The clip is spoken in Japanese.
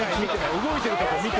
動いてるとこ見てない。